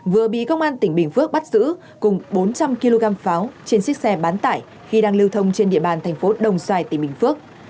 vừa bị công an tỉnh bình phước bắt giữ cùng bốn trăm linh kg pháo trên xích xe bán tải khi đang lưu thông trên địa bàn thành phố đồng xoài tỉnh bình phước